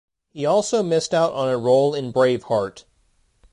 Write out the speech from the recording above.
He also missed out on a role in "Braveheart".